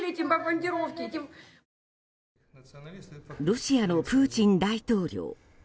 ロシアのプーチン大統領。